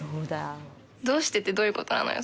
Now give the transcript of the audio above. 「どうして？」ってどういうことなのよ